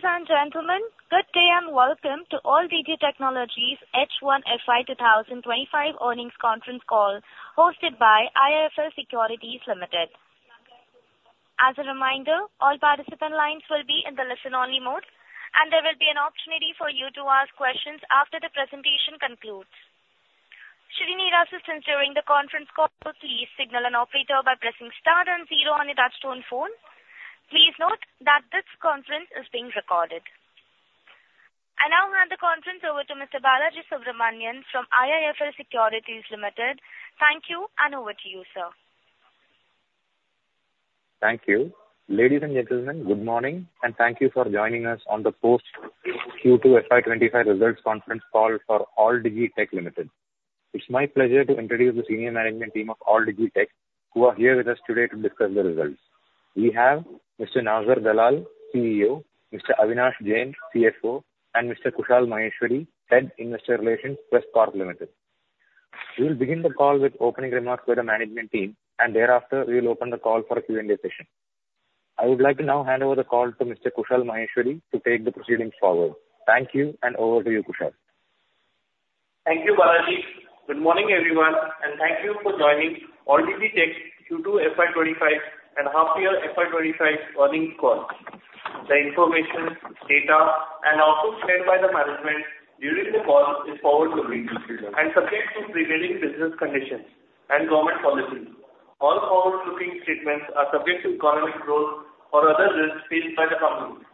Ladies and gentlemen, good day and welcome to Alldigi Tech Limited H1 FY 2025 earnings conference call hosted by IIFL Securities Limited. As a reminder, all participant lines will be in the listen-only mode, and there will be an opportunity for you to ask questions after the presentation concludes. Should you need assistance during the conference call, please signal an operator by pressing star then zero on your touchtone phone. Please note that this conference is being recorded. I now hand the conference over to Mr. Balaji Subramanian from IIFL Securities Limited. Thank you, and over to you, sir. Thank you. Ladies and gentlemen, good morning, and thank you for joining us on the post-Q2 FY twenty-five results conference call for Alldigi Tech Limited. It's my pleasure to introduce the senior management team of Alldigi Tech, who are here with us today to discuss the results. We have Mr. Naozer Dalal, CEO, Mr. Avinash Jain, CFO, and Mr. Kushal Maheshwari, Head, Investor Relations, Westpark Limited. We will begin the call with opening remarks by the management team, and thereafter, we will open the call for a Q&A session. I would like to now hand over the call to Mr. Kushal Maheshwari to take the proceedings forward. Thank you, and over to you, Kushal. Thank you, Balaji. Good morning, everyone, and thank you for joining Alldigi Tech Q2 FY twenty-five and half year FY twenty-five earnings call. The information, data, and also shared by the management during the call is forward-looking and subject to prevailing business conditions and government policies. All forward-looking statements are subject to economic growth or other risks faced by the company.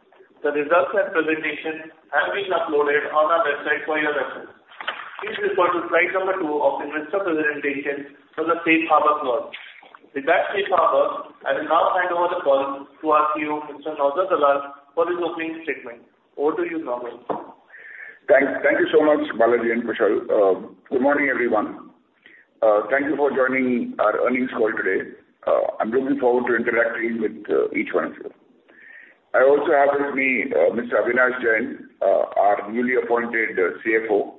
The results and presentation have been uploaded on our website for your reference. Please refer to slide number two of investor presentation for the Safe Harbor clause. With that Safe Harbor, I will now hand over the call to our CEO, Mr. Naozer Dalal, for his opening statement. Over to you, Naozer. Thanks. Thank you so much, Balaji and Kushal. Good morning, everyone. Thank you for joining our earnings call today. I'm looking forward to interacting with each one of you. I also have with me Mr. Avinash Jain, our newly appointed CFO,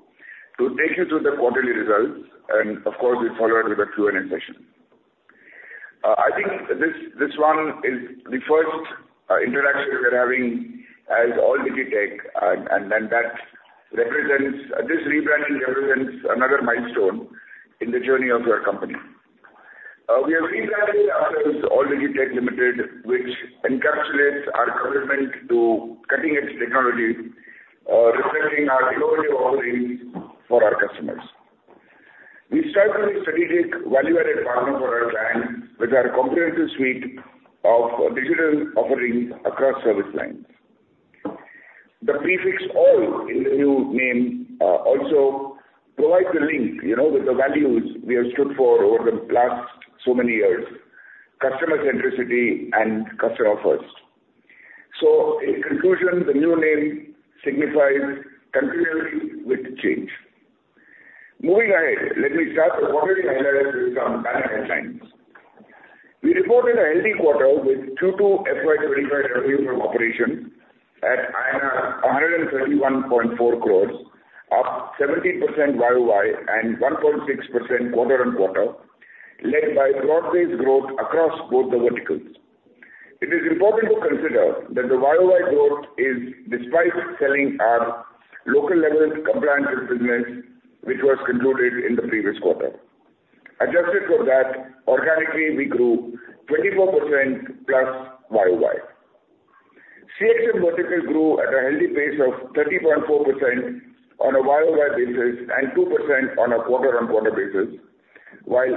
to take you through the quarterly results. And of course, we'll follow it with a Q&A session. I think this one is the first interaction we're having as Alldigi Tech, and then this rebranding represents another milestone in the journey of our company. We have rebranded ourselves Alldigi Tech Limited, which encapsulates our commitment to cutting-edge technology, reflecting our delivery offerings for our customers. We strive to be a strategic value-added partner for our clients with our comprehensive suite of digital offerings across service lines. The prefix "All" in the new name also provides a link, you keep, with the values we have stood for over the last so many years: customer centricity and customer first. So in conclusion, the new name signifies continuity with change. Moving ahead, let me start the quarterly highlights with some banner headlines. We reported a healthy quarter with Q2 FY 2025 revenue from operations at 131.4 crores, up 70% YOY and 1.6% quarter on quarter, led by broad-based growth across both the verticals. It is important to consider that the YOY growth is despite selling our local statutory compliance business, which was concluded in the previous quarter. Adjusted for that, organically, we grew 24% plus YOY. CXM vertical grew at a healthy pace of 30.4% on a YOY basis and 2% on a quarter-on-quarter basis, while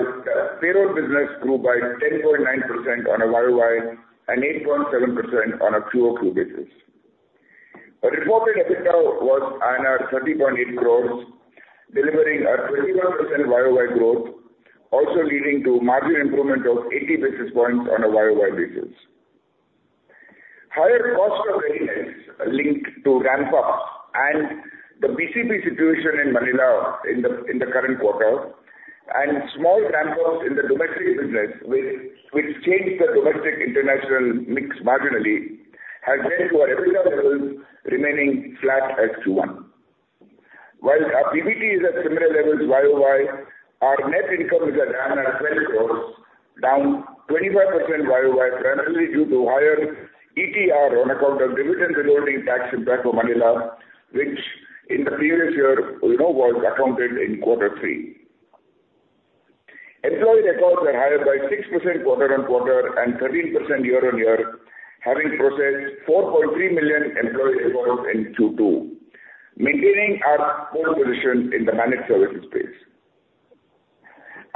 payroll business grew by 10.9% on a YOY and 8.7% on a QOQ basis. Our reported EBITDA was 30.8 crores, delivering a 21% YOY growth, also leading to marginal improvement of 80 basis points on a YOY basis. Higher cost of readiness linked to ramp-up and the BCP situation in Manila in the current quarter, and small ramp-ups in the domestic business which changed the domestic-international mix marginally, has led to our EBITDA levels remaining flat as Q1. While our PBT is at similar levels YOY, our net income is at 30 crores, down 25% YOY, primarily due to higher ETR on account of dividend distributing tax impact for Manila, which in the previous year, you know, was accounted in quarter three. Employee records are higher by 6% quarter on quarter and 13% year on year, having processed 4.3 million employee records in Q2, maintaining our pole position in the managed services space.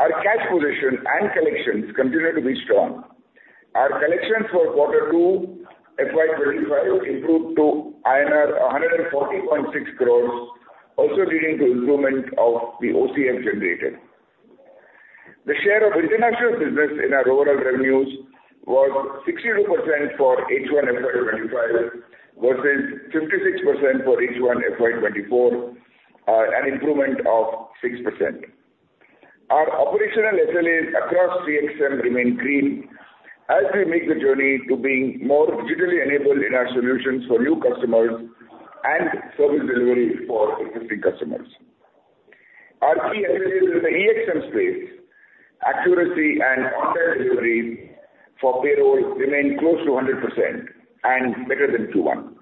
Our cash position and collections continue to be strong. Our collections for quarter two, FY 2025, improved to 140.6 crores, also leading to improvement of the OCM generated. The share of international business in our overall revenues was 62% for H1 FY 2025, versus 56% for H1 FY 2024, an improvement of 6%. Our operational SLAs across CXM remain green as we make the journey to being more digitally enabled in our solutions for new customers and service delivery for existing customers. Accuracy in the EXM space, accuracy and on-time delivery for payroll remain close to 100% and better than Q1.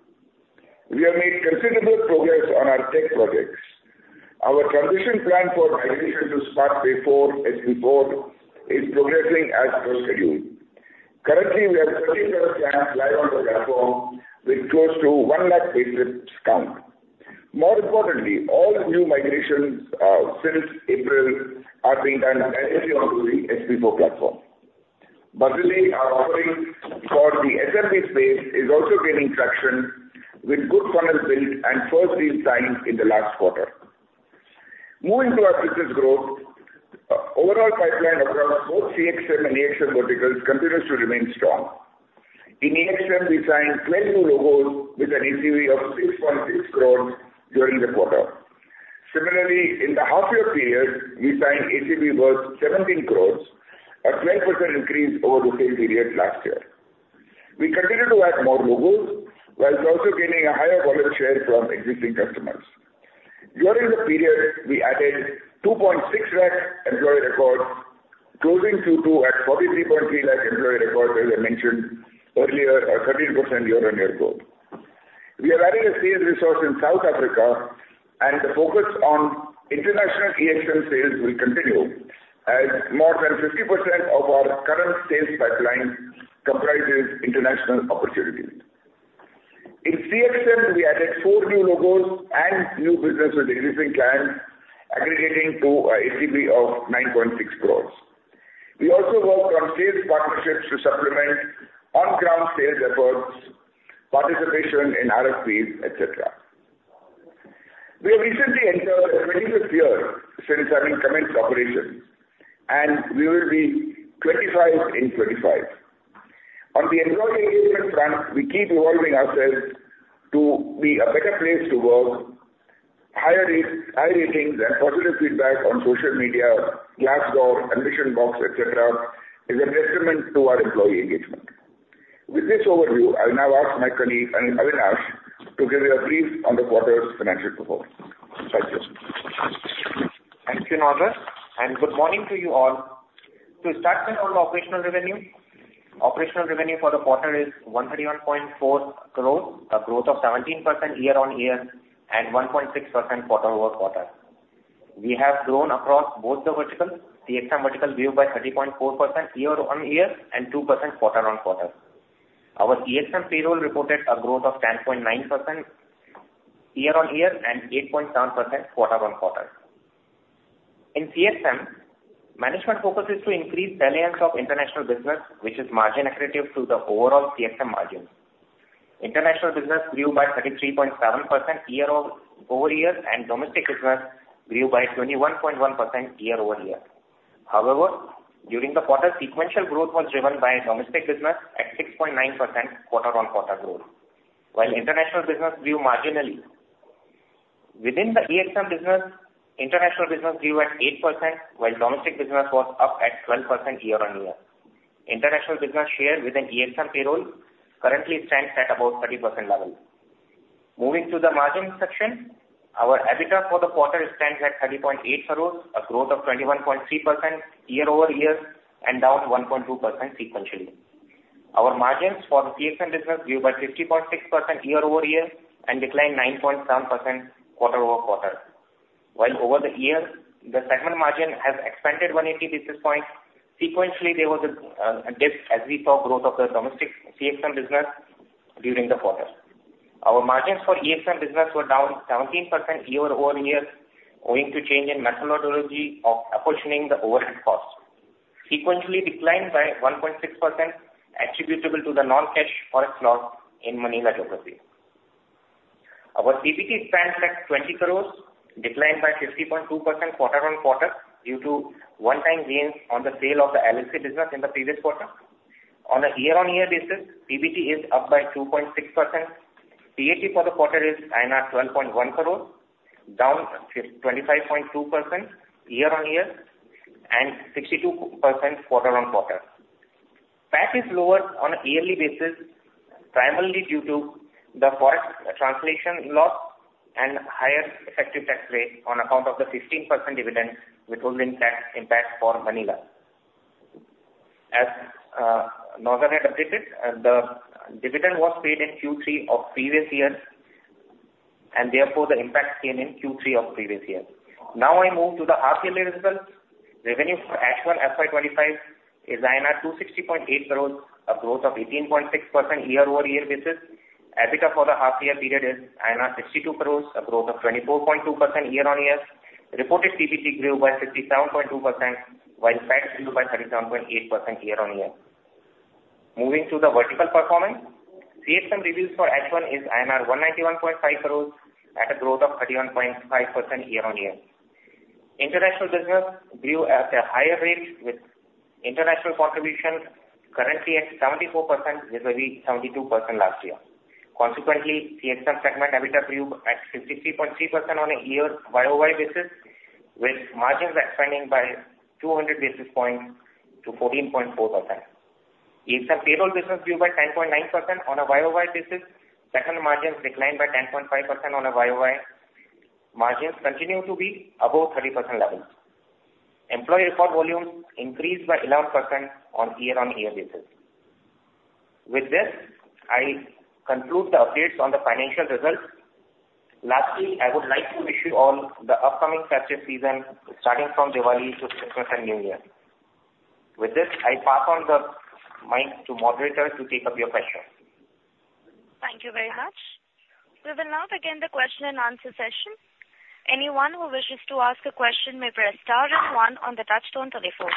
We have made considerable progress on our tech projects. Our transition plan for migration to SmartPay 4 SP4 is progressing as per schedule. Currently, we have clients live on the platform with close to one lakh pay slips count. More importantly, all new migrations since April are being done entirely onto the SP4 platform. Buzzily, our offering for the SMB space is also gaining traction with good funnel build and first deal signed in the last quarter. Moving to our business growth, overall pipeline across both CXM and EXM verticals continues to remain strong. In EXM, we signed 12 new logos with an ACV of 6.6 crores during the quarter. Similarly, in the half year period, we signed ACV worth 17 crores, a 12% increase over the same period last year. We continue to add more logos while also gaining a higher volume share from existing customers. During the period, we added 2.6 lakh employee records, closing Q2 at 43.3 lakh employee records, as I mentioned earlier, a 13% year-on-year growth. We are adding a sales resource in South Africa, and the focus on international EXM sales will continue as more than 50% of our current sales pipeline comprises international opportunities. In CXM, we added 4 new logos and new business with existing clients, aggregating to an ACV of 9.6 crores. We also worked on sales partnerships to supplement on-ground sales efforts, participation in RFPs, et cetera. We have recently entered our twenty-fifth year since having commenced operations, and we will be twenty-five in twenty-five. On the employee engagement front, we keep evolving ourselves to be a better place to work. Higher ratings and positive feedback on social media, Glassdoor, AmbitionBox, etcetera, is a testament to our employee engagement. With this overview, I will now ask my colleague, Avinash, to give you a brief on the quarter's financial performance. Thank you. Thank you, Naozer, and good morning to you all. To start with, on the operational revenue, operational revenue for the quarter is 131.4 crores, a growth of 17% year-on-year and 1.6% quarter-over-quarter. We have grown across both the verticals. CXM vertical grew by 30.4% year-on-year and 2% quarter-on-quarter. Our EXM payroll reported a growth of 10.9% year-on-year and 8.7% quarter-on-quarter. In CXM, management focus is to increase reliance of international business, which is margin accretive to the overall CXM margins. International business grew by 33.7% year-over-year, and domestic business grew by 21.1% year-over-year. However, during the quarter, sequential growth was driven by domestic business at 6.9% quarter-on-quarter growth, while international business grew marginally. Within the EXM business, international business grew at 8%, while domestic business was up at 12% year-on-year. International business share within EXM payroll currently stands at about 30% level. Moving to the margin section, our EBITDA for the quarter stands at 30.8 crores, a growth of 21.3% year-over-year and down 1.2% sequentially. Our margins for the CXM business grew by 50.6% year-over+year and declined 9.7% quarter-over-quarter. While over the years, the segment margin has expanded 180 basis points, sequentially, there was a dip as we saw growth of the domestic CXM business during the quarter. Our margins for EXM business were down 17% year-over-year, owing to change in methodology of apportioning the overhead costs. Sequentially declined by 1.6%, attributable to the non-cash forex loss in Manila geography. Our PBT stands at 20 crores, declined by 50.2% quarter-on-quarter due to one-time gains on the sale of the LSC business in the previous quarter. On a year-on-year basis, PBT is up by 2.6%. PAT for the quarter is INR 12.1 crores, down twenty-five point two percent year-on-year and 62% quarter-on-quarter. PAT is lower on a yearly basis, primarily due to the forex translation loss and higher effective tax rate on account of the 15% dividend, which will impact for Manila. As Naozer had updated, the dividend was paid in Q3 of previous year, and therefore, the impact came in Q3 of previous year. Now I move to the half-yearly results. Revenue for H1 FY 2025 is 260.8 crores, a growth of 18.6% year-over-year basis. EBITDA for the half year period is 62 crores, a growth of 24.2% year-on-year. Reported PBT grew by 57.2%, while PAT grew by 37.8% year-on-year. Moving to the vertical performance, CXM revenues for H1 is 191.5 crores at a growth of 31.5% year-on-year. International business grew at a higher rate, with international contributions currently at 74%, this was 72% last year. Consequently, CXM segment EBITDA grew at 53.3% on a year YOY basis, with margins expanding by 200 basis points to 14.4%.... Its payroll business grew by 10.9% on a YOY basis. Second, margins declined by 10.5% on a YOY. Margins continue to be above 30% levels. Employee report volumes increased by 11% on year-on-year basis. With this, I conclude the updates on the financial results. Lastly, I would like to wish you all the upcoming festive season, starting from Diwali to Christmas and New Year. With this, I pass on the mic to moderator to take up your questions. Thank you very much. We will now begin the question and answer session. Anyone who wishes to ask a question, may press star and one on the touchtone telephone.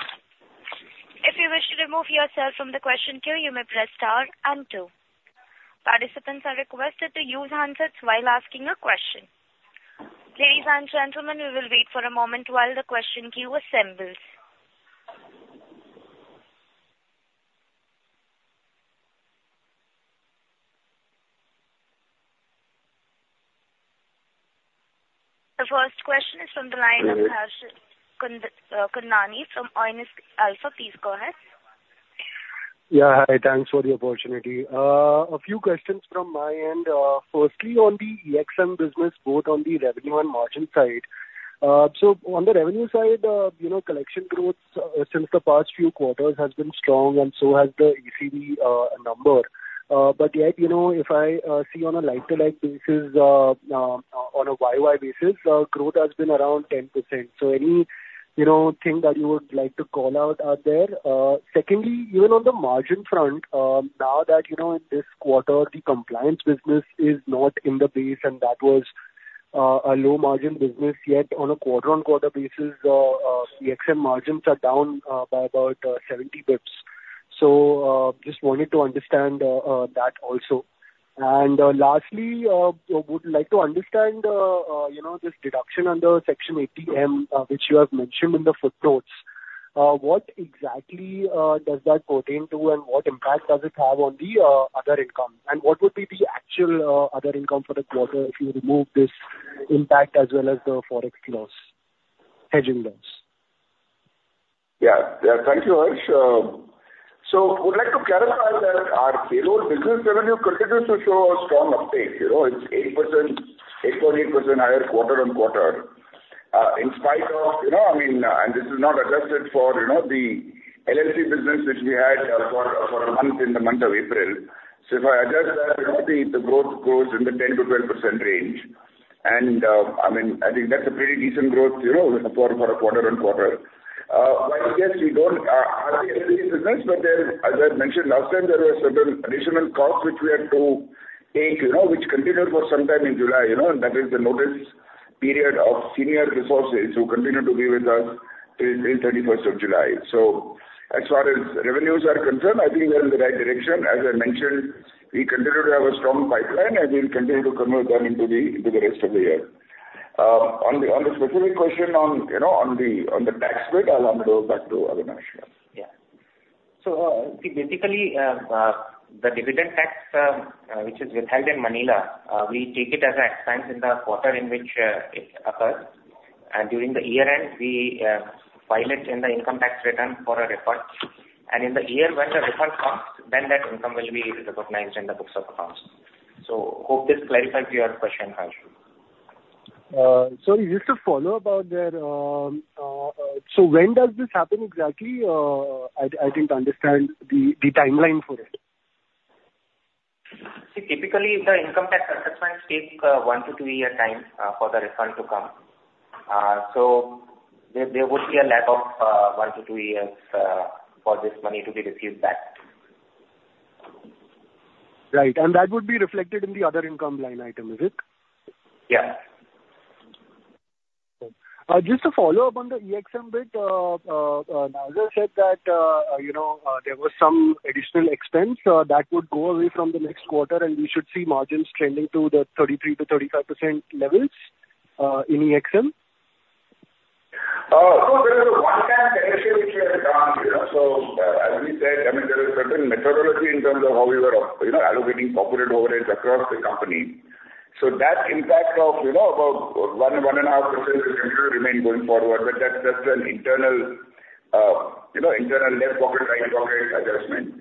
If you wish to remove yourself from the question queue, you may press star and two. Participants are requested to use handsets while asking a question. Ladies and gentlemen, we will wait for a moment while the question queue assembles. The first question is from the line of Harsh Kundnani from Aionios Alpha. Please go ahead. Yeah, hi. Thanks for the opportunity. A few questions from my end. Firstly, on the EXM business, both on the revenue and margin side. So on the revenue side, you know, collection growth since the past few quarters has been strong and so has the EBITDA number. But yet, you know, if I see on a like-for-like basis, on a YOY basis, growth has been around 10%. So any thing that you would like to call out there? Secondly, even on the margin front, now that you know, in this quarter, the compliance business is not in the base, and that was a low margin business, yet on a quarter-on-quarter basis, EXM margins are down by about 70 basis points. So, just wanted to understand that also. And, lastly, would like to understand, you know, this deduction under Section 80M, which you have mentioned in the footnotes. What exactly does that pertain to, and what impact does it have on the other income? And what would be the actual other income for the quarter if you remove this impact as well as the Forex loss, hedging loss? Yeah. Yeah, thank you, Harsh. So would like to clarify that our payroll business revenue continues to show a strong uptake. You know, it's 8%, 8.8% higher quarter on quarter. In spite of, you know, I mean, and this is not adjusted for, you know, the LSC business, which we had, for a month in the month of April. So if I adjust that, you know, the growth goes in the 10-12% range. And, I mean, I think that's a pretty decent growth, you know, for a quarter on quarter. But yes, we don't, but then, as I mentioned last time, there were certain additional costs which we had to take, you know, which continued for some time in July, you know, and that is the notice period of senior resources who continued to be with us till thirty-first of July. So as far as revenues are concerned, I think we are in the right direction. As I mentioned, we continue to have a strong pipeline, and we'll continue to convert that into the rest of the year. On the specific question on the tax rate, you know, I'll hand over back to Avinash. Yeah. So, basically, the dividend tax, which is withheld in Manila, we take it as an expense in the quarter in which it occurs, and during the year-end, we file it in the income tax return for a refund, and in the year when the refund comes, then that income will be recognized in the books of accounts, so hope this clarifies your question, Harsh. So just to follow up on that, so when does this happen exactly? I didn't understand the timeline for it. See, typically, the income tax assessments take one to two year time for the refund to come. So there would be a lag of one to two years for this money to be received back. Right. And that would be reflected in the other income line item, is it? Yeah. Good. Just to follow up on the EXM bit, Naozer said that, you know, there was some additional expense that would go away from the next quarter, and we should see margins trending to the 33%-35% levels in EXM? So there was a one-time initiative which we had done, you know. So, as we said, I mean, there is certain methodology in terms of how we were, you know, allocating corporate overheads across the company. So that impact of, you know, about one and a half percent will continue to remain going forward, but that's just an internal, you know, internal left pocket, right pocket adjustment.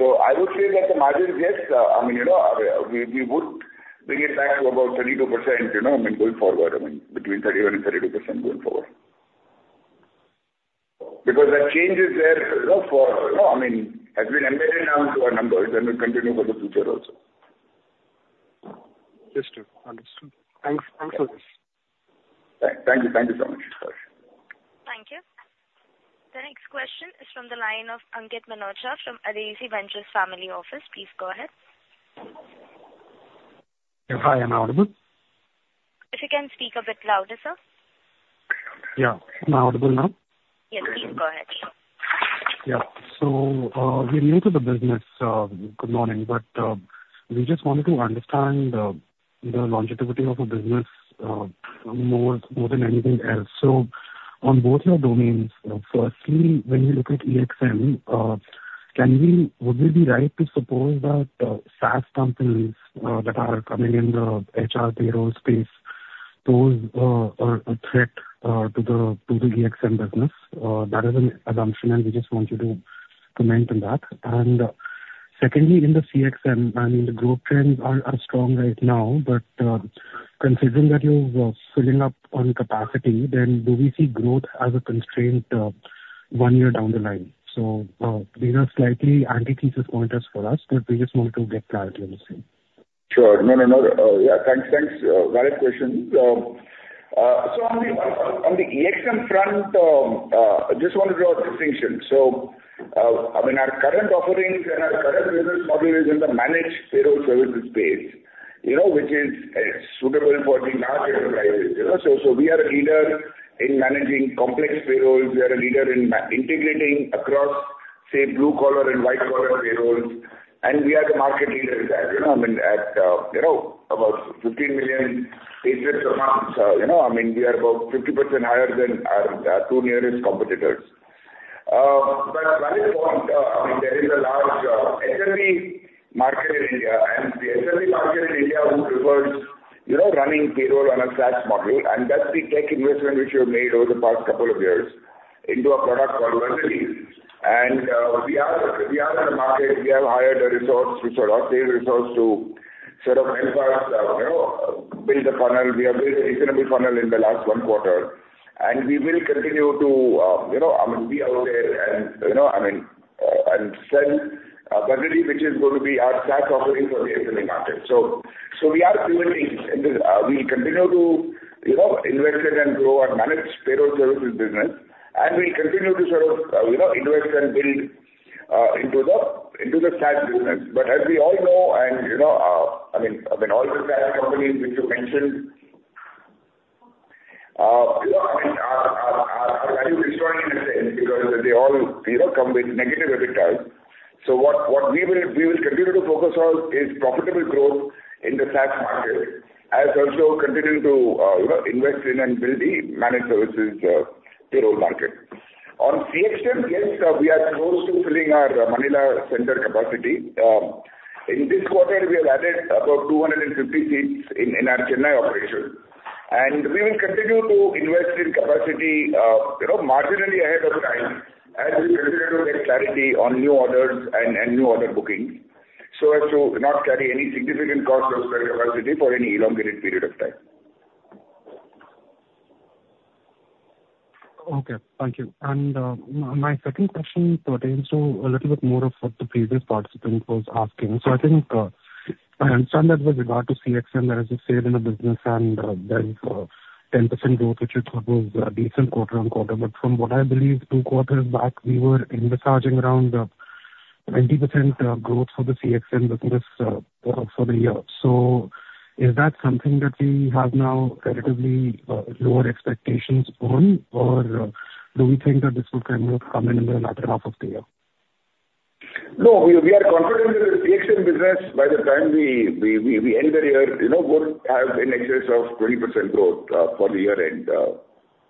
So I would say that the margins, yes, I mean, you know, we would bring it back to about 32%, you know, I mean, going forward, I mean, between 31% and 32% going forward. Because the change is there, you know. You know, I mean, has been embedded now into our numbers, and will continue for the future also. Understood. Understood. Thanks. Thanks for this. Thank you. Thank you so much, Harsh. Thank you. The next question is from the line of Ankit Manocha from Aideci Ventures Family Office. Please go ahead. Yeah. Hi, am I audible? If you can speak a bit louder, sir. Yeah. Am I audible now? Yes, please go ahead. Yeah. So, we're new to the business, good morning. But, we just wanted to understand the longevity of the business more than anything else. So on both your domains, firstly, when you look at EXM, would we be right to suppose that SaaS companies that are coming in the HR payroll space those are a threat to the EXM business. That is an assumption, and we just want you to comment on that. And secondly, in the CXM, I mean, the growth trends are strong right now, but considering that you're filling up on capacity, then do we see growth as a constraint one year down the line? So, these are slightly antithesis pointers for us, but we just wanted to get clarity on the same. Sure. No, no, no. Yeah, thanks, thanks. Valid questions, so on the EXM front, I just want to draw a distinction, so I mean, our current offerings and our current business model is in the managed payroll services space, you know, which is suitable for the large enterprises, you know? So we are a leader in managing complex payrolls. We are a leader in integrating across, say, blue-collar and white-collar payrolls, and we are the market leader in that, you know. I mean, at you know, about 15 million paychecks per month, you know, I mean, we are about 50% higher than our two nearest competitors. But valid point, I mean, there is a large SME market in India, and the SME market in India would prefer, you know, running payroll on a SaaS model, and that's the tech investment which we have made over the past couple of years into a product called Verdi. And we are, we are in the market. We have hired a resource, which are offshore resource, to sort of help us, you know, build the funnel. We have built a reasonable funnel in the last one quarter, and we will continue to, you know, I mean, be out there and, you know, I mean, and sell Verdi, which is going to be our SaaS offering for the SME market. So we are pivoting in this. We continue to, you know, invest in and grow our managed payroll services business, and we continue to sort of, you know, invest and build into the SaaS business. But as we all know and, you know, I mean, all the SaaS companies which you mentioned, you know, I mean, are value-destroying in a sense because they all come with negative EBITDA. So what we will continue to focus on is profitable growth in the SaaS market, as also continuing to, you know, invest in and build the managed services payroll market. On CXM, yes, we are close to filling our Manila center capacity. In this quarter, we have added about two hundred and fifty seats in our China operation, and we will continue to invest in capacity, you know, marginally ahead of time as we continue to get clarity on new orders and new order bookings, so as to not carry any significant cost of spare capacity for any elongated period of time. Okay, thank you. And, my second question pertains to a little bit more of what the previous participant was asking. So I think, I understand that with regard to CXM, there is a SaaS in the business and, there is ten percent growth, which I thought was a decent quarter on quarter. But from what I believe two quarters back, we were envisaging around, twenty percent growth for the CXM business, for the year. So is that something that we have now relatively, lower expectations on? Or do we think that this will kind of come in in the latter half of the year? No, we are confident with the CXM business, by the time we end the year, you know, growth has in excess of 20% growth for the year-end.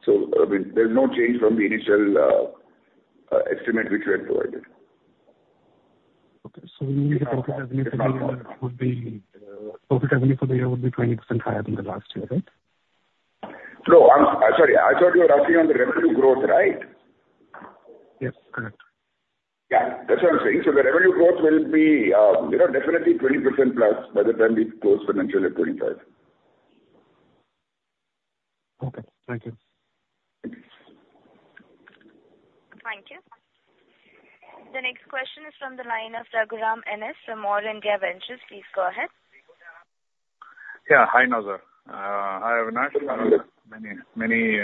So, I mean, there's no change from the initial estimate which we had provided. Okay. So you mean the profit revenue for the year would be 20% higher than the last year, right? No, I'm sorry. I thought you were asking on the revenue growth, right? Yes, correct. Yeah, that's what I'm saying. So the revenue growth will be, you know, definitely 20%+ by the time we close financially at twenty-five. Okay, thank you. Thank you. The next question is from the line of Raghuram NS from Eurindia Ventures. Please go ahead. Yeah, hi, Naozer. I have many, many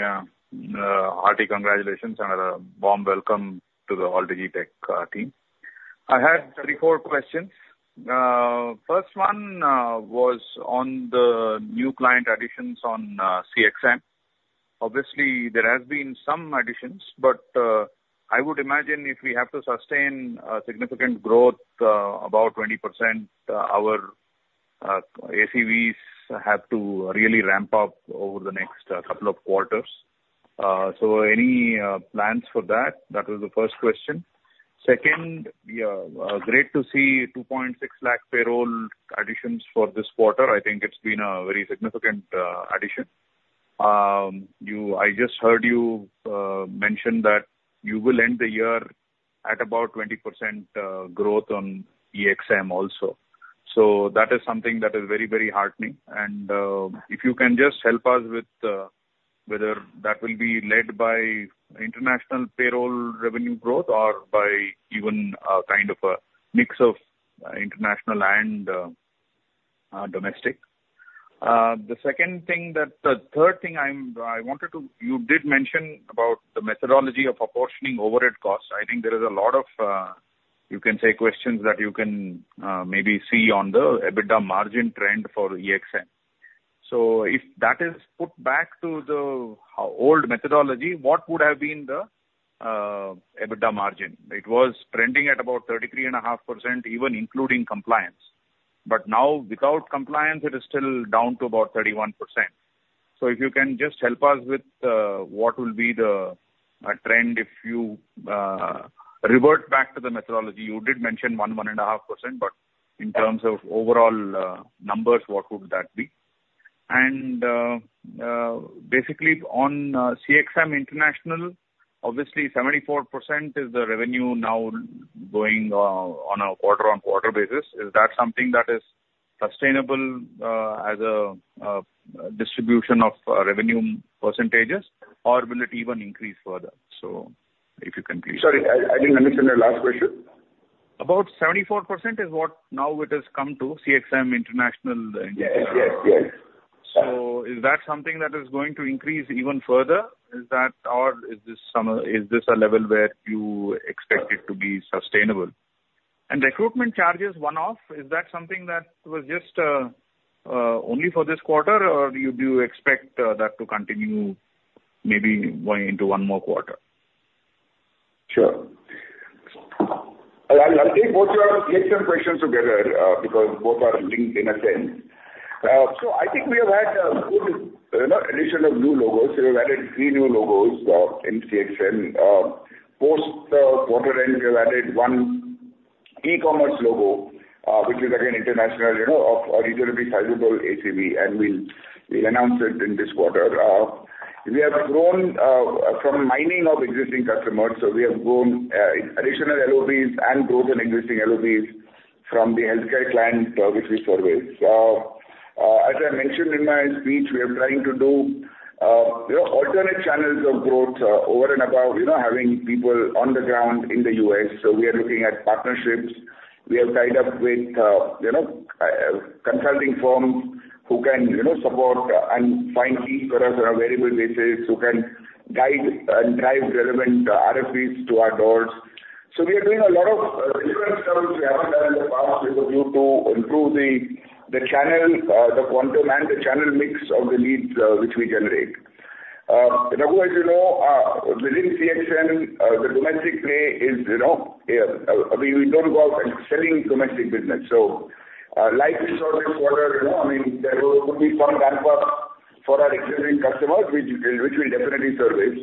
hearty congratulations and a warm welcome to the Alldigi Tech team. I had three, four questions. First one was on the new client additions on CXM. Obviously, there has been some additions, but I would imagine if we have to sustain a significant growth, about 20%, our ACVs have to really ramp up over the next couple of quarters. So any plans for that? That was the first question. Second, yeah, great to see 2.6 lakh payroll additions for this quarter. I think it's been a very significant addition. You, I just heard you mention that you will end the year at about 20% growth on EXM also. So that is something that is very, very heartening. And, if you can just help us with whether that will be led by international payroll revenue growth or by even kind of a mix of international and domestic. The second thing that. The third thing I wanted to. You did mention about the methodology of apportioning overhead costs. I think there is a lot of, you can say, questions that you can maybe see on the EBITDA margin trend for EXM. So if that is put back to the old methodology, what would have been the EBITDA margin? It was trending at about 33.5%, even including compliance. But now, without compliance, it is still down to about 31%. So if you can just help us with what will be the trend if you revert back to the methodology. You did mention one and a half percent, but in terms of overall numbers, what would that be? And basically on CXM International, obviously 74% is the revenue now going on a quarter-on-quarter basis. Is that something that is sustainable as a distribution of revenue percentages, or will it even increase further? So if you can please- Sorry, I didn't understand your last question. About 74% is what now it has come to, CXM International income. Yes. Yes, yes. So is that something that is going to increase even further? Is that, or is this a level where you expect it to be sustainable? And recruitment charges one-off, is that something that was just only for this quarter, or do you expect that to continue maybe going into one more quarter? Sure. I'll take both your CXM questions together because both are linked in a sense. So I think we have had a good, you know, addition of new logos. We've added three new logos in CXM. Post quarter end, we have added one e-commerce logo, which is again international, you know, it's going to be sizable ACV, and we'll announce it in this quarter. We have grown from mining of existing customers, so we have grown additional LOBs and growth in existing LOBs from the healthcare client which we serve with. As I mentioned in my speech, we are trying to do, you know, alternate channels of growth over and above, you know, having people on the ground in the U.S. So we are looking at partnerships. We have tied up with, you know, consulting firms who can, you know, support and find leads for us on a variable basis, who can guide and drive relevant RFPs to our doors. So we are doing a lot of different stuff which we haven't done in the past, with a view to improve the channel, the quantum and the channel mix of the leads, which we generate. Raghu, as you know, within CXM, the domestic play is, you know, we don't go out selling domestic business. So, like this quarter, you know, I mean, there could be some ramp up for our existing customers, which we'll definitely service.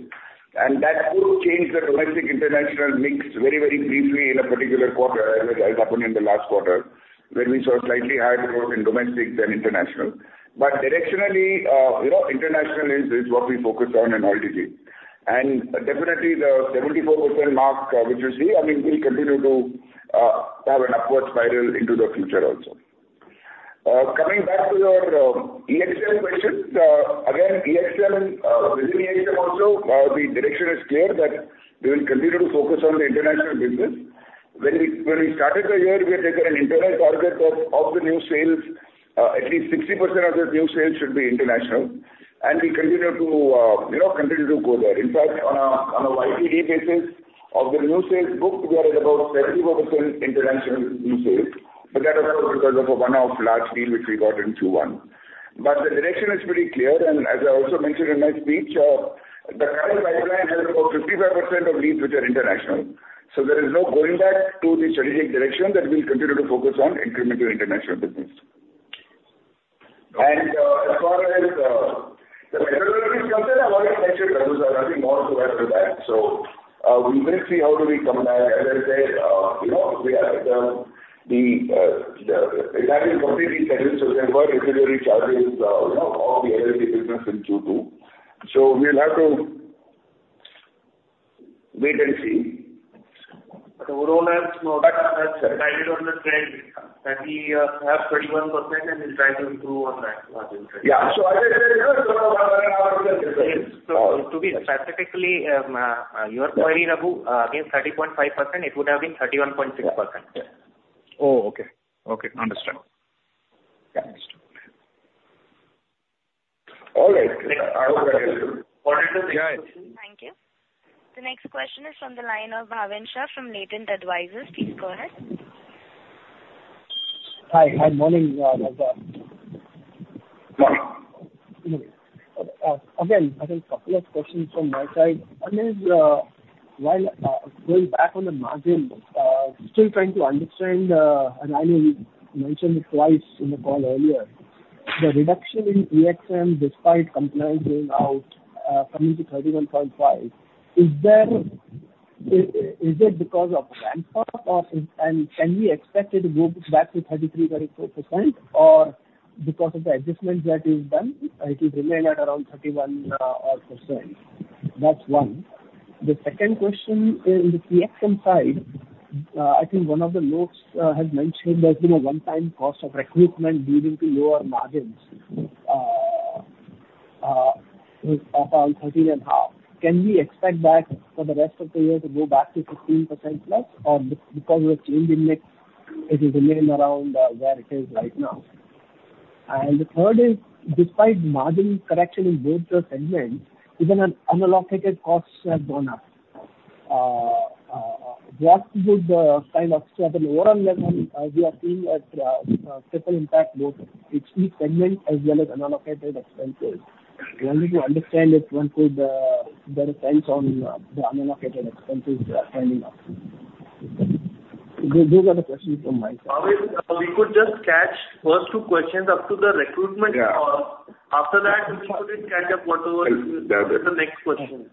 That could change the domestic-international mix very, very briefly in a particular quarter, as happened in the last quarter, where we saw slightly higher growth in domestic than international. Directionally, you know, international is what we focus on and always will. Definitely, the 74% mark, which you see, I mean, we continue to have an upward spiral into the future also. Coming back to your EXM question. Again, EXM, within EXM also, the direction is clear that we will continue to focus on the international business. When we started the year, we had taken an internal target of the new sales, at least 60% of the new sales should be international, and we continue to, you know, continue to go there. In fact, on a YTD basis, of the new sales booked, we are at about 74% international new sales, but that is also because of a one-off large deal which we got in Q1. The direction is pretty clear, and as I also mentioned in my speech, the current pipeline has about 55% of leads which are international. There is no going back to the strategic direction that we'll continue to focus on incremental international business. As far as the regulatory concerns are concerned, I think more to add to that. We will see how do we come back. As I said, you know, we have the that is completely settled, so there were regulatory charges, you know, all the business in Q2. We'll have to wait and see. But overall, that's, that's valid on the trend, that we have 31% and we'll try to improve on that margin. Yeah. So as I said, you know, To be statistically, your query, Raghu, against 30.5%, it would have been 31.6%. Oh, okay. Okay, understood. Understood. All right. Got it. Thank you. The next question is from the line of Bhavin Shah from Latent Advisors. Please go ahead. Hi, good morning, Naozer. Again, I think couple of questions from my side. I mean, while going back on the margin, still trying to understand, and I know you mentioned it twice in the call earlier, the reduction in EXM despite compliance being out, coming to 31.5%. Is that, is it because of ramp up, or is... and can we expect it to go back to 33-34%, or because of the adjustments that you've done, it will remain at around 31, odd percent? That's one. The second question is, EXM side, I think one of the notes had mentioned there's been a one-time cost of recruitment leading to lower margins, around 13.5. Can we expect that for the rest of the year to go back to 15%+, or because of the change in mix, it will remain around where it is right now? And the third is, despite margin correction in both the segments, even an unallocated costs have gone up. What would kind of have an overall level, we are seeing a triple impact, both in each segment as well as unallocated expenses. Wanted to understand if one could get a sense on the unallocated expenses that are coming up. Those are the questions from my side. Bhavin, we could just catch first two questions up to the recruitment call. Yeah. After that, we could catch up whatever- That's it. The next question....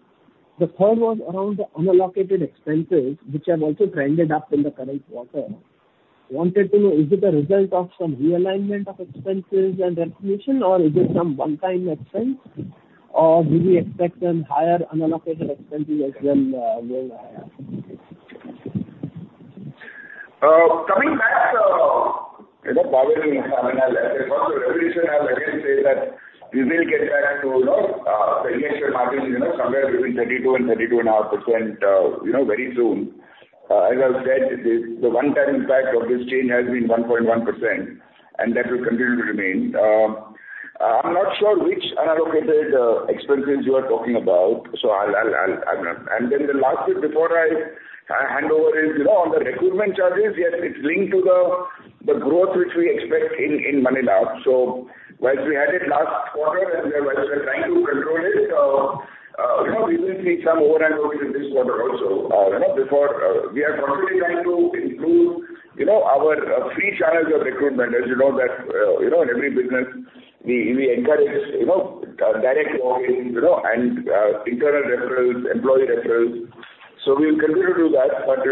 The third one is around the unallocated expenses, which have also trended up in the current quarter. Wanted to know, is it a result of some realignment of expenses and recognition, or is it some one-time expense, or do we expect some higher unallocated expenses as well, going higher? Coming back, you know, probably, I mean, as I first said, I'll again say that we will get back to, you know, the EBITDA margins, you know, somewhere between 32% and 32.5%, you know, very soon. As I said, the one-time impact of this change has been 1.1%, and that will continue to remain. I'm not sure which unallocated expenses you are talking about, so I'll... I'm gonna... And then the last bit before I hand over is, you know, on the recruitment charges, yes, it's linked to the growth which we expect in Manila. So whilst we had it last quarter, and we, whilst we are trying to control it, you know, we will see some overhang over in this quarter also. You know, before we are constantly trying to improve our free channels of recruitment. As you know, in every business, we encourage direct walk-ins and internal referrals, employee referrals. So we'll continue to do that. But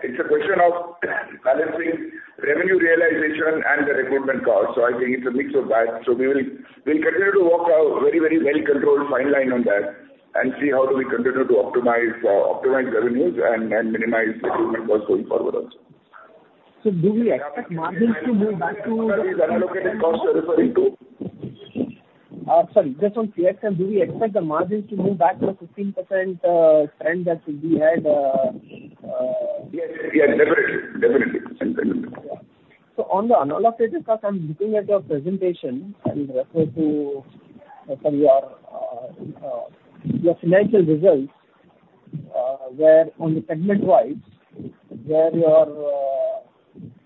it's a question of balancing revenue realization and the recruitment cost. So I think it's a mix of that. So we will continue to walk a very, very well-controlled fine line on that and see how we continue to optimize revenues and minimize recruitment costs going forward also. So do we expect margins to move back to? Which unallocated costs you're referring to? Sorry, just on CX, do we expect the margins to move back to the 15%? Yes. Yes, definitely. Definitely. On the unallocated cost, I'm looking at your presentation and refer to from your financial results, where on the segment-wise, your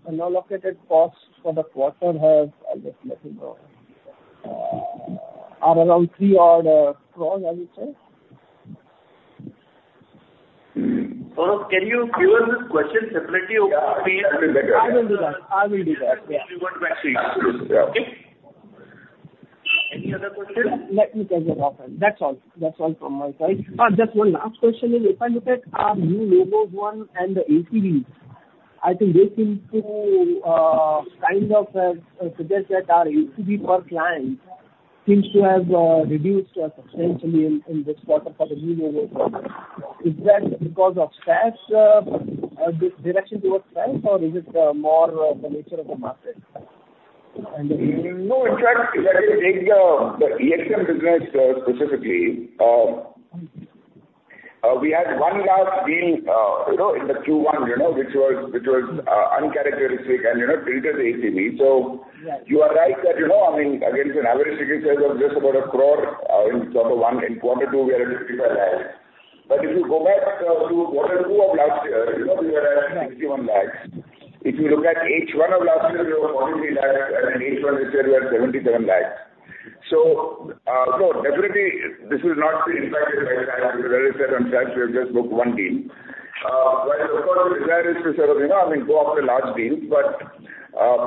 unallocated costs for the quarter are around three odd crores, I would say. Hmm. Can you give us this question separately over email? Yeah, that'd be better. I will do that. I will do that, yeah. We want to actually. Absolutely. Yeah. Any other questions? Let me tell you, Naozer. That's all. That's all from my side. Just one last question is, if I look at our new logo wins and the ACV, I think this seems to kind of suggest that our ACV per client seems to have reduced substantially in this quarter for the new logo. Is that because of this shift towards clients, or is it more of the nature of the market? No, in fact, if I take the EXM business specifically, we had one large deal, you know, in the Q1, you know, which was uncharacteristic and, you know, tilted the ACV. Right. So you are right that, you know, I mean, against an average ticket size of just about a crore in quarter one, in quarter two, we are at fifty-five lakhs. But if you go back to quarter two of last year, you know, we were at ninety-one lakhs. If you look at H1 of last year, we were forty-three lakhs, and in H1 this year, we are seventy-seven lakhs. So definitely this will not be impacted by the fact. As I said, on stats, we have just booked one deal. While of course we desire is to sort of, you know, I mean, go after large deals, but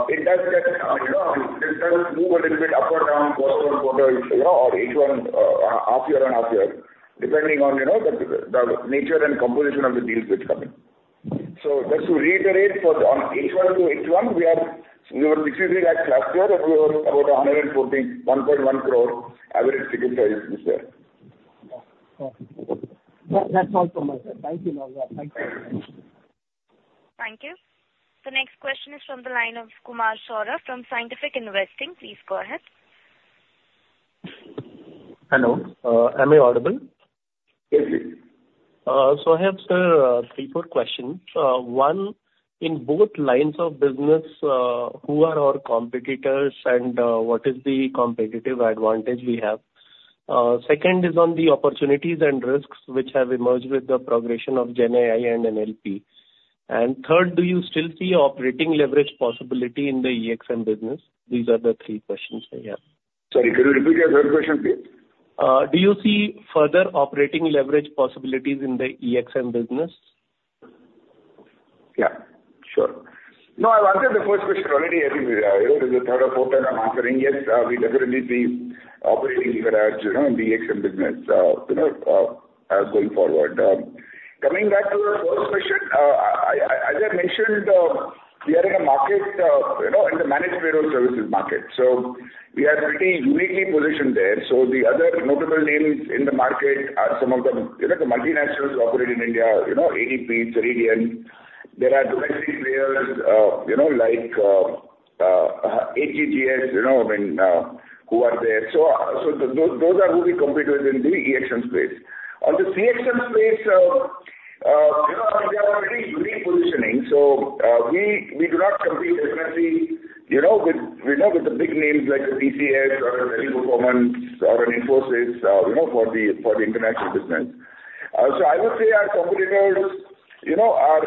it does get, you know, it does move a little bit up or down quarter on quarter, you know, or H1, half year on half year, depending on, you know, the nature and composition of the deals which come in. So just to reiterate, for the H1 to H1, we were 53 lakhs last year, and we were about 114, 1.1 crore average ticket size this year. Okay. That's all from my side. Thank you, Naozer. Thank you. Thank you. The next question is from the line of Kumar Saurabh from Scientific Investing. Please go ahead. Hello, am I audible? Yes, please. So I have, sir, three, four questions. One, in both lines of business, who are our competitors, and what is the competitive advantage we have? Second is on the opportunities and risks which have emerged with the progression of GenAI and NLP. And third, do you still see operating leverage possibility in the EXM business? These are the three questions I have. Sorry, can you repeat your third question, please? Do you see further operating leverage possibilities in the EXM business? Yeah, sure. No, I've answered the first question already. I think, you know, this is the third or fourth time I'm answering. Yes, we definitely see operating leverage, you know, in the EXM business, you know, as going forward. Coming back to the first question, as I mentioned, we are in a market, you know, in the managed payroll services market. So we are pretty uniquely positioned there. So the other notable names in the market are some of the, you know, the multinationals who operate in India, you know, ADP, Ceridian. There are domestic players, you know, like, AGGS, you know, I mean, who are there. So those are who we compete with in the EXM space. On the CXM space, you know, we are pretty unique positioning. So, we do not compete directly, you know, with the big names like the TCS or the Wipro or an Infosys, you know, for the international business. So I would say our competitors, you know, are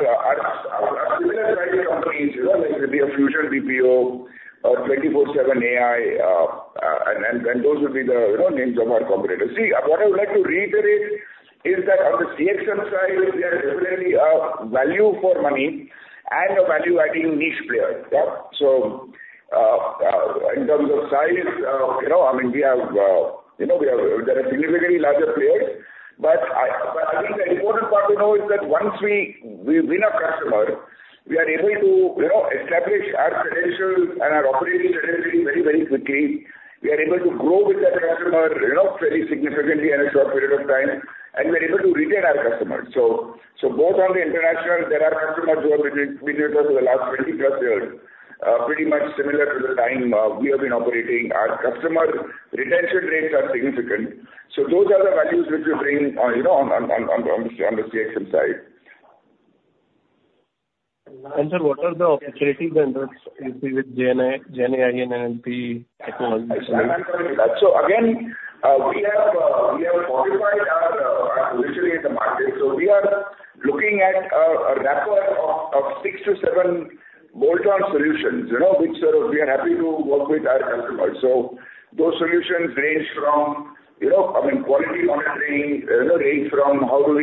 similar kinds of companies, you know, like it could be a Fusion BPO or twenty-four seven AI, and those would be the names of our competitors. See, what I would like to reiterate is that on the CXM side, we are definitely a value for money and a value-adding niche player. Yeah. So-... In terms of size, you know, I mean, there are significantly larger players, but I think the important part to know is that once we win our customer, we are able to, you know, establish our credentials and our operating credentials very, very quickly. We are able to grow with that customer, you know, very significantly in a short period of time, and we're able to retain our customers. So both on the international, there are customers who have been with us for the last twenty-plus years, pretty much similar to the time we have been operating. Our customer retention rates are significant. So those are the values which we bring, you know, on the CXM side. Sir, what are the opportunities and risks with GenAI and NLP technology? So again, we have modified our position in the market. We are looking at a wrapper of six to seven bolt-on solutions, you know, which sort of we are happy to work with our customers. So those solutions range from, you know, I mean, quality monitoring, you know, how do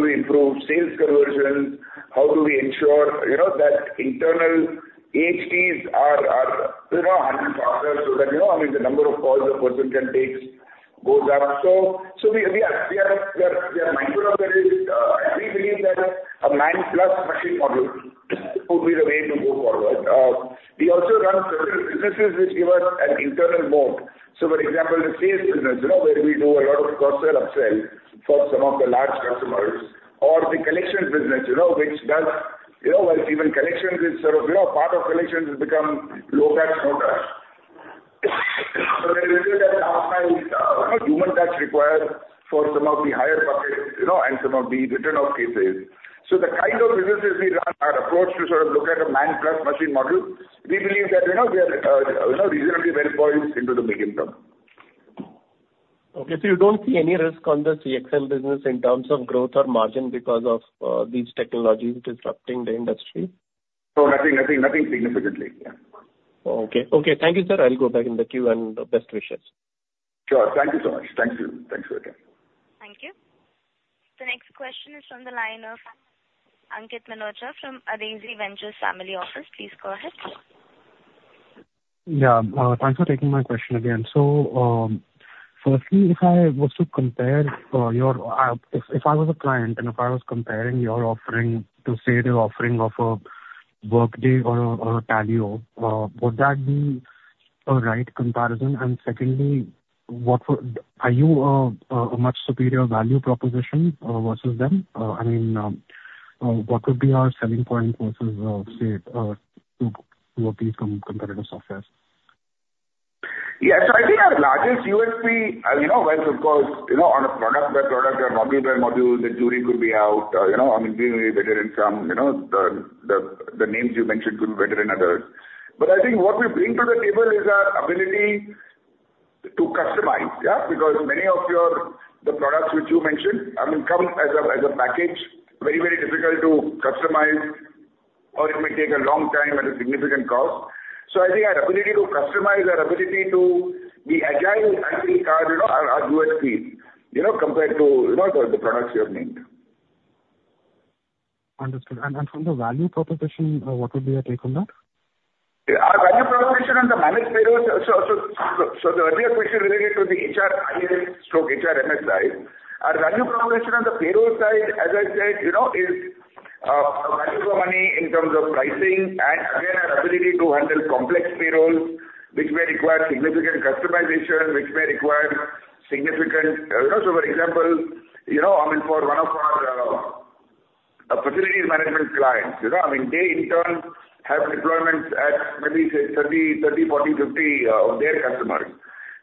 we improve sales conversions? How do we ensure, you know, that internal AHTs are a bit faster so that, you know, I mean, the number of calls a person can take goes up. So we are mindful of that, and we believe that a man plus machine model would be the way to go forward. We also run several businesses which give us an internal moat. So for example, the sales business, you know, where we do a lot of cross-sell, upsell for some of the large customers or the collections business, you know, which does... You know, whereas even collections is sort of, you know, part of collections has become low touch, no touch. So there is a certain amount of human touch required for some of the higher pockets, you know, and some of the written off cases. So the kind of businesses we run are approached to sort of look at a man plus machine model. We believe that, you know, we are, you know, reasonably well poised into the medium term. Okay, so you don't see any risk on the CXM business in terms of growth or margin because of these technologies disrupting the industry? No, nothing significantly, yeah. Okay. Okay, thank you, sir. I'll go back in the queue, and best wishes. Sure. Thank you so much. Thank you. Thanks again. Thank you. The next question is from the line of Ankit Manocha from Aideci Ventures Family Office. Please go ahead. Yeah. Thanks for taking my question again. So, firstly, if I was a client, and if I was comparing your offering to, say, the offering of a Workday or a Taleo, would that be a right comparison? And secondly, are you a much superior value proposition versus them? I mean, what would be our selling point versus, say, to these competitive softwares? Yeah. So I think our largest USP, you know, well, of course, you know, on a product by product or module by module, the jury could be out. You know, I mean, we may be better in some, you know, the names you mentioned could be better in others. But I think what we bring to the table is our ability to customize, yeah. Because many of the products which you mentioned, I mean, come as a package, very, very difficult to customize or it may take a long time at a significant cost. So I think our ability to customize, our ability to be agile, I think, are, you know, are USPs, you know, compared to, you know, the products you have named. Understood. And from the value proposition, what would be your take on that? Our value proposition on the managed payroll, so the earlier question related to the HR, HR/HRMS side. Our value proposition on the payroll side, as I said, you know, is value for money in terms of pricing and, again, our ability to handle complex payroll, which may require significant customization, which may require significant. You know, so for example, you know, I mean, for one of our facilities management clients, you know, I mean, they in turn have deployments at maybe say 30, 40, 50 of their customers.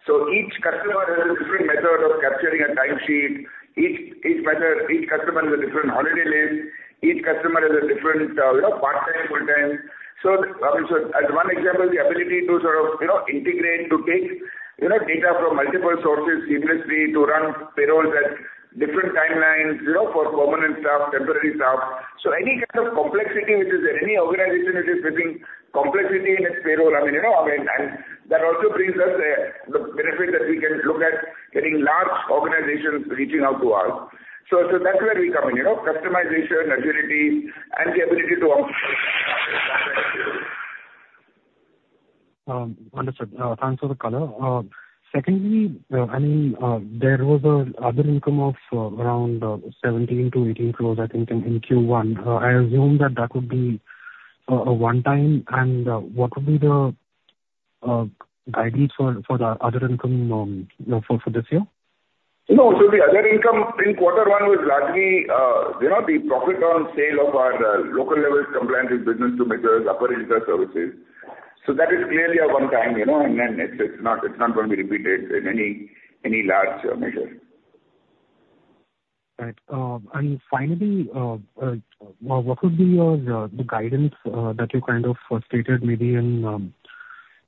So each customer has a different method of capturing a timesheet. Each customer has a different holiday list. Each customer has a different, you know, part-time, full-time. So, as one example, the ability to sort of, you know, integrate, to take, you know, data from multiple sources seamlessly to run payrolls at different timelines, you know, for permanent staff, temporary staff. So any kind of complexity which is there, any organization which is facing complexity in its payroll, I mean, you know, and that also brings us the benefit that we can look at getting large organizations reaching out to us. So, that's where we come in, you know, customization, agility, and the ability to operate. Understood. Thanks for the color. Secondly, I mean, there was other income of around 17-18 crores, I think, in Q1. I assume that that would be a one-time, and what would be the guidance for the other income, you know, for this year? No, so the other income in quarter one was largely, you know, the profit on sale of our local statutory compliance business to majors upper inter services. So that is clearly a one-time, you know, and then it's not going to be repeated in any large measure. Right. And finally, what would be your, the guidance, that you kind of stated maybe in,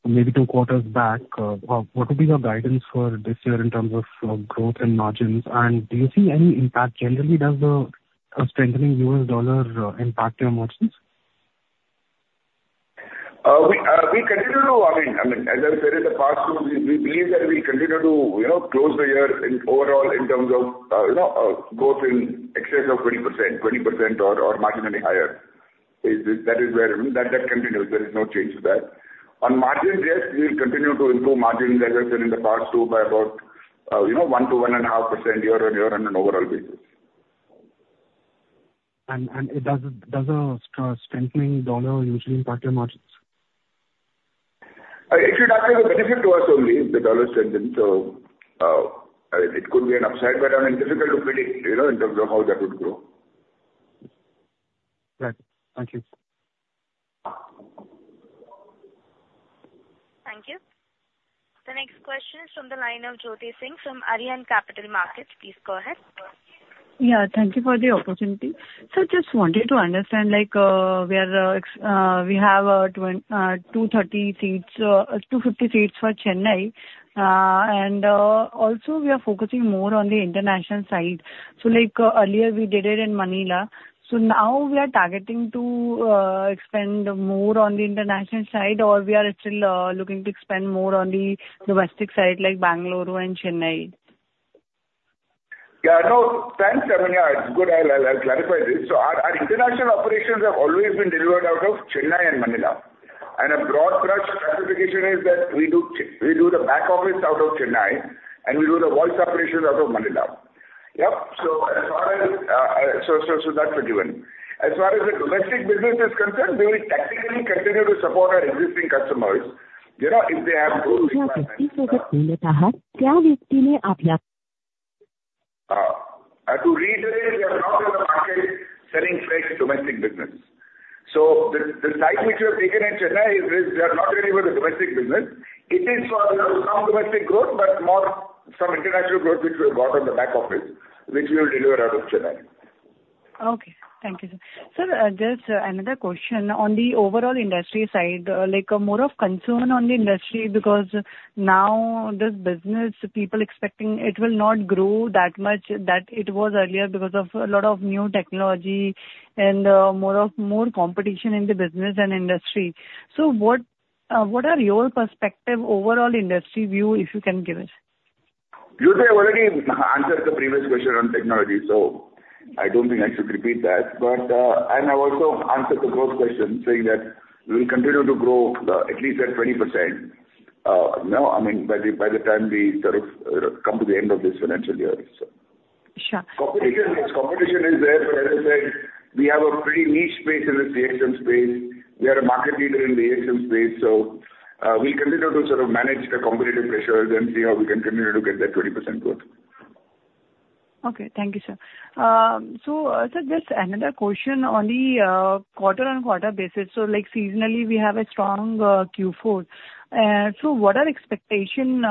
maybe two quarters back? What would be your guidance for this year in terms of, growth and margins? And do you see any impact generally, does the, strengthening US dollar, impact your margins? We continue to... I mean, as I said in the past too, we believe that we continue to, you know, close the year overall in terms of, you know, growth in excess of 20%, 20% or marginally higher... that is where that continues. There is no change to that. On margin, yes, we will continue to improve margin, as I said in the past too by about, you know, 1%-1.5% year on year on an overall basis. And does a strengthening dollar usually impact your margins? It should actually be a benefit to us only if the dollar strengthens. So, I mean, it could be an upside, but I mean, difficult to predict, you know, in terms of how that would grow. Right. Thank you. Thank you. The next question is from the line of Jyoti Singh from Arihant Capital Markets. Please go ahead. Yeah, thank you for the opportunity. So just wanted to understand, like, we are, we have, 230 seats, 250 seats for China. And, also we are focusing more on the international side. So like earlier, we did it in Manila. So now we are targeting to expand more on the international side, or we are still looking to expand more on the domestic side, like Bangalore and China? Yeah, no, thanks. I mean, yeah, it's good. I'll clarify this. So our international operations have always been delivered out of China and Manila. And a broad brush classification is that we do the back office out of China, and we do the voice operations out of Manila. Yep, so as far as that's a given. As far as the domestic business is concerned, we will technically continue to support our existing customers. You know, if they have growth. To reiterate, we are not in the market selling fresh domestic business. So the size which we have taken in China is we are not doing any domestic business. It is for, you know, some domestic growth, but more some international growth which we have got on the back office, which we will deliver out of China. Okay. Thank you, sir. Sir, just another question on the overall industry side. Like more of concern on the industry, because now this business, people expecting it will not grow that much, that it was earlier because of a lot of new technology and, more of, more competition in the business and industry. So what, what are your perspective overall industry view, if you can give us? Jyoti, I've already answered the previous question on technology, so I don't think I should repeat that. But and I also answered the growth question, saying that we'll continue to grow at least at 20%, now. I mean, by the time we sort of come to the end of this financial year, so. Sure. Competition, yes, competition is there, but as I said, we have a pretty niche space in the CXM space. We are a market leader in the CXM space, so, we continue to sort of manage the competitive pressures and see how we can continue to get that 20% growth. Okay. Thank you, sir. So, sir, just another question on the quarter on quarter basis. So, like, seasonally, we have a strong Q4. So what are expectation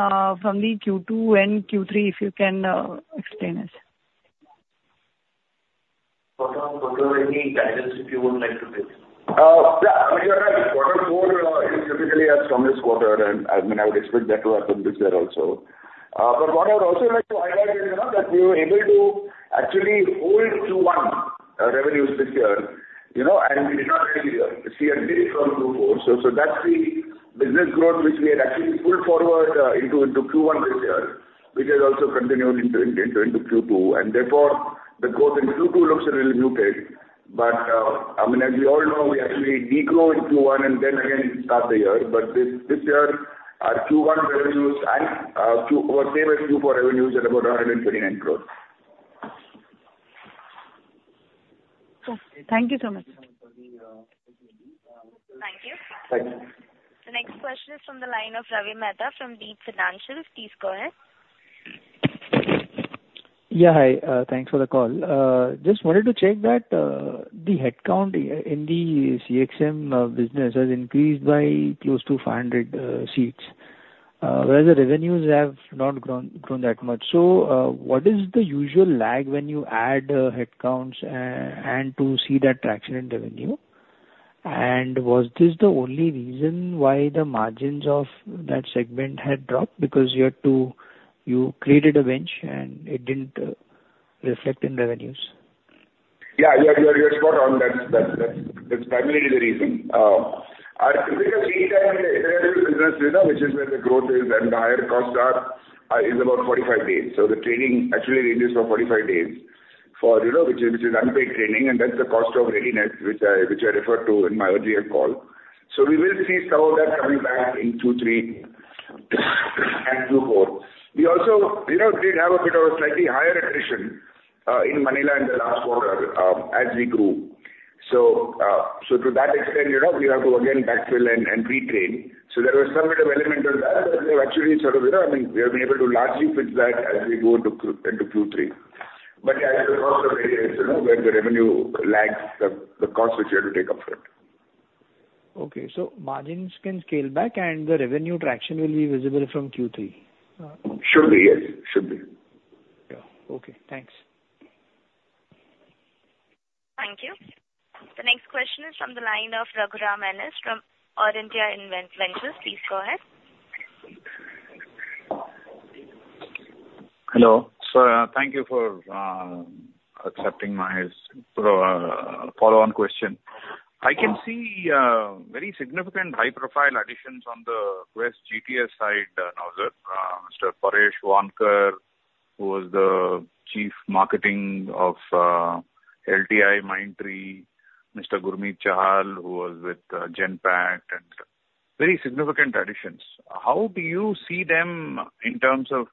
from the Q2 and Q3, if you can explain it? Any guidance that you would like to give? Yeah, I mean, you're right. Quarter four is typically our strongest quarter, and, I mean, I would expect that to happen this year also. But what I would also like to highlight is, you know, that we were able to actually hold Q1 revenues this year, you know, and we did not really see a dip from Q4. So that's the business growth which we had actually pulled forward into Q2. And therefore, the growth in Q2 looks a little muted. But, I mean, as we all know, we actually de-grow in Q1, and then again start the year. But this year, our Q1 revenues were same as Q4 revenues at about 129 crores. So thank you so much. Thank you. Thank you. The next question is from the line of Ravi Mehta from Deep Financials. Please go ahead. Yeah, hi, thanks for the call. Just wanted to check that the headcount in the CXM business has increased by close to 500 seats, whereas the revenues have not grown that much. So, what is the usual lag when you add headcounts and to see that traction in revenue? And was this the only reason why the margins of that segment had dropped? Because you had to... You created a bench and it didn't reflect in revenues. Yeah, you're spot on. That's primarily the reason. Our typical lead time in the business, you know, which is where the growth is and the higher costs are, is about 45 days. So the training actually ranges for 45 days. For, you know, which is unpaid training, and that's the cost of readiness, which I referred to in my earlier call. So we will see some of that coming back in Q3 and Q4. We also, you know, did have a bit of a slightly higher attrition in Manila in the last quarter, as we grew. So to that extent, you know, we have to again backfill and retrain. So there was some bit of element of that, but we have actually sort of, you know, I mean, we have been able to largely fix that as we go into Q3. But yeah, the cost of readiness, you know, where the revenue lags the costs which you have to take up front. Okay, so margins can scale back and the revenue traction will be visible from Q3? Should be, yes. Should be. Yeah. Okay, thanks. Thank you. The next question is from the line of Raghuram NS from Eurindia Ventures. Please go ahead. Hello. Sir, thank you for accepting my follow-on question. I can see very significant high-profile additions on the West GBS side now, Mr. Paresh Vankar who was the Chief Marketing of LTIMindtree, Mr. Gurmeet Chahal, who was with Genpact, and very significant additions. How do you see them in terms of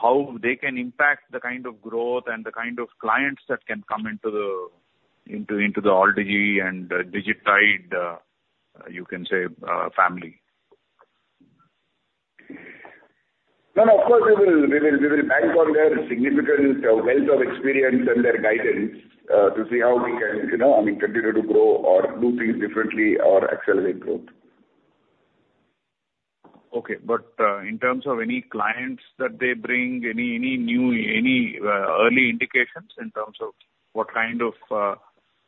how they can impact the kind of growth and the kind of clients that can come into the Alldigi and Digitide, you can say, family? No, no, of course, we will bank on their significant wealth of experience and their guidance to see how we can, you know, I mean, continue to grow or do things differently or accelerate growth. Okay, but in terms of any clients that they bring, any new early indications in terms of what kind of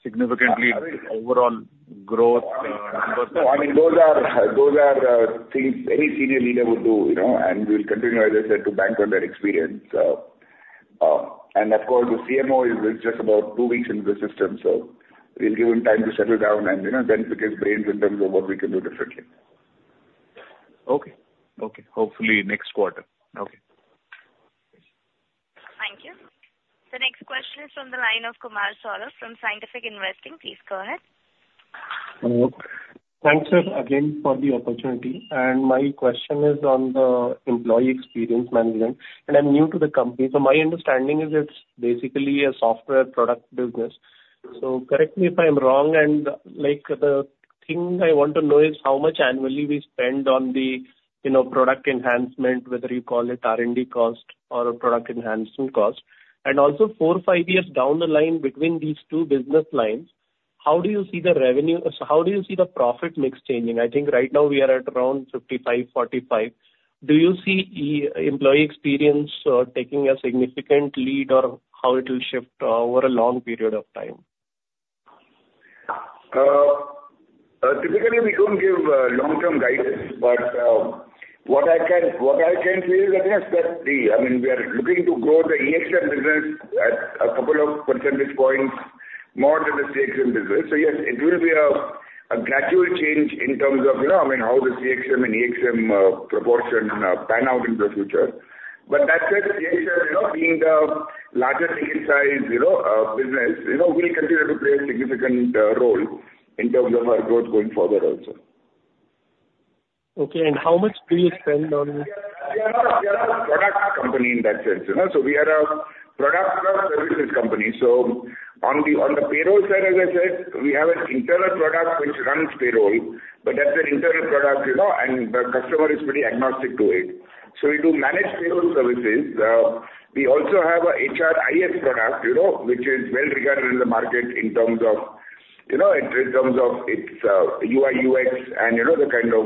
significantly overall growth numbers? No, I mean, those are things any senior leader would do, you know, and we'll continue, as I said, to bank on their experience, and of course, the CMO is just about two weeks into the system, so we'll give him time to settle down and, you know, then we can brainstorm in terms of what we can do differently. Okay. Okay, hopefully next quarter. Okay. Thank you. The next question is from the line of Kumar Saurabh from Scientific Investing. Please go ahead. Hello. Thanks, sir, again for the opportunity. And my question is on the employee experience management, and I'm new to the company. So my understanding is it's basically a software product business. So correct me if I'm wrong, and, like, the thing I want to know is how much annually we spend on the, you know, product enhancement, whether you call it R&D cost or a product enhancement cost? And also four, five years down the line between these two business lines, how do you see the revenue, so how do you see the profit mix changing? I think right now we are at around fifty-five, forty-five. Do you see employee experience taking a significant lead or how it will shift over a long period of time? Typically, we don't give long-term guidance, but what I can say is, I think that the... I mean, we are looking to grow the EXM business at a couple of percentage points more than the CXM business. So yes, it will be a gradual change in terms of, you know, I mean, how the CXM and EXM proportion pan out in the future. But that said, CXM, you know, being the larger scale size, you know, business, you know, we continue to play a significant role in terms of our growth going further also. Okay, and how much do you spend on- We are a product company in that sense, you know, so we are a product services company. So on the payroll side, as I said, we have an internal product which runs payroll, but that's an internal product, you know, and the customer is pretty agnostic to it. So we do managed payroll services. We also have a HRIS product, you know, which is well regarded in the market in terms of, you know, in terms of its UI, UX, and you know, the kind of,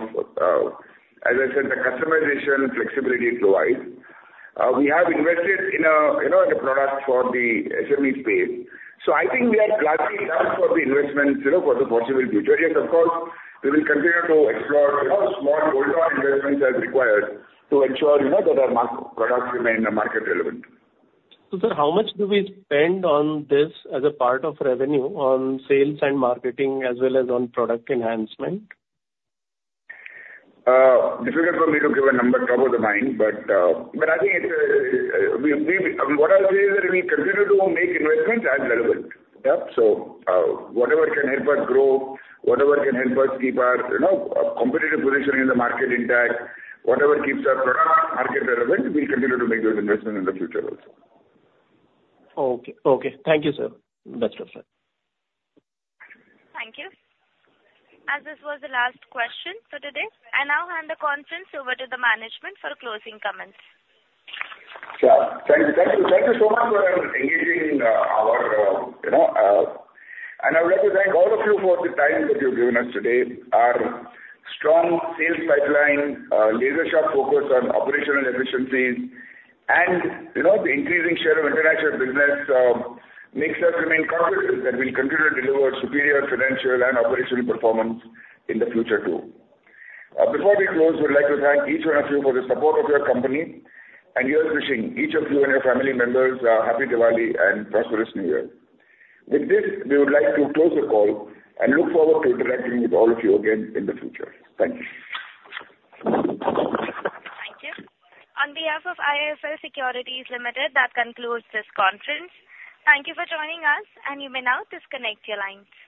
as I said, the customization flexibility it provides. We have invested in a, you know, a product for the SME space. So I think we are gladly done for the investments, you know, for the foreseeable future. Yes, of course, we will continue to explore, you know, small incremental investments as required to ensure, you know, that our market products remain market relevant. So, sir, how much do we spend on this as a part of revenue on sales and marketing as well as on product enhancement? Difficult for me to give a number top of the mind, but I think what I'll say is that we continue to make investments as relevant. Yeah, so whatever can help us grow, whatever can help us keep our, you know, competitive position in the market intact, whatever keeps our product market relevant, we'll continue to make those investments in the future also. Okay. Okay. Thank you, sir. That's all, sir. Thank you. As this was the last question for today, I now hand the conference over to the management for closing comments. Sure. Thank you, thank you, thank you so much for engaging our, you know, and I'd like to thank all of you for the time that you've given us today. Our strong sales pipeline, laser-sharp focus on operational efficiencies, and, you know, the increasing share of international business makes us remain confident that we'll continue to deliver superior financial and operational performance in the future, too. Before we close, we'd like to thank each one of you for the support of your company, and here's wishing each of you and your family members a Happy Diwali and prosperous New Year. With this, we would like to close the call and look forward to interacting with all of you again in the future. Thank you. Thank you. On behalf of IIFL Securities Limited, that concludes this conference. Thank you for joining us, and you may now disconnect your lines.